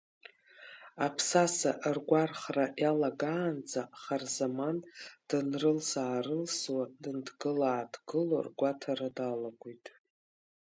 Аԥсаса ргәархра иалагаанӡа, Харзаман, дынрылсаарылсуа, дынҭгыла-ааҭгыло ргәаҭара далагоит.